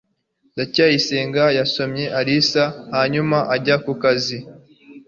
ndacyayisenga yasomye alice hanyuma ajya ku kazi